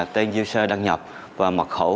tên user đăng nhập và mật khẩu